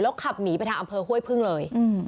ขับหนีไปทางอำเภอห้วยพึ่งเลย